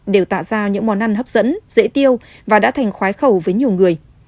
đều tạo ra những món ăn hấp dẫn dễ tiêu và đã thành khoái khẩu với nhiều người